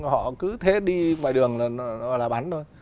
họ cứ thế đi ngoài đường là bắn thôi